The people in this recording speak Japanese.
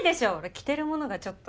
着てるものがちょっと。